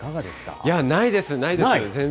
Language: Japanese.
いや、ないです、ないです、全然。